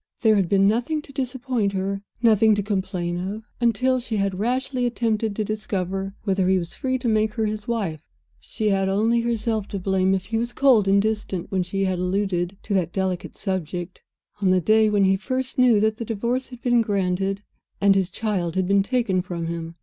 There had been nothing to disappoint her, nothing to complain of, until she had rashly attempted to discover whether he was free to make her his wife. She had only herself to blame if he was cold and distant when she had alluded to that delicate subject, on the day when he first knew that the Divorce had been granted and his child had been taken from him.